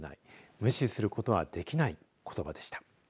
無視することはできないことばでした。